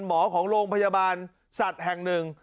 หมอของโรงพยาบาลสัตว์แห่งหนึ่ง